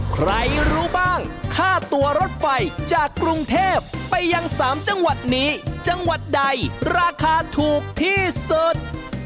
ใครรู้บ้างค่าตัวรถไฟจากกรุงเทพไปยัง๓จังหวัดนี้จังหวัดใดราคาถูกที่สุด